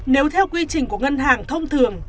nếu theo quy trình của ngân hàng thông thường